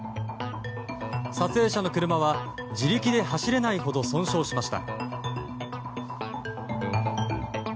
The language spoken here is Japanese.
撮影者の車は自力で走れないほど損傷しました。